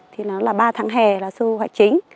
thì nó là ba tháng hè là su hoạch chính